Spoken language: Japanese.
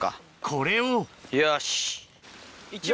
これをよし。